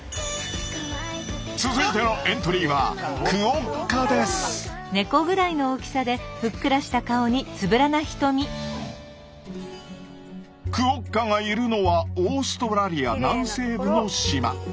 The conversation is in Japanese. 続いてのエントリーはクオッカがいるのはオーストラリア南西部の島。